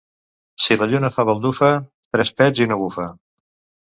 Si la lluna fa baldufa, tres pets i una bufa.